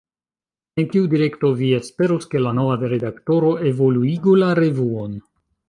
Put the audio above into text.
En kiu direkto vi esperus, ke la nova redaktoro evoluigu la revuon?